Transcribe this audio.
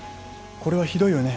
これはひどいよね？